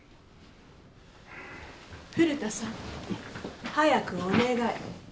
古田さん早くお願い。